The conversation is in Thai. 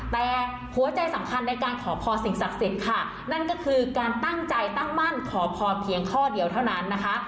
แต่หัวใจสำคัญในการขอพรสิ่งศักดิ์สิทธิ์ค่ะนั่นก็คือการตั้งใจตั้งมั่นขอพรเพียงข้อเดียวเท่านั้นนะคะ